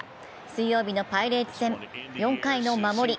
水曜日のパイレーツ戦、４回の守り。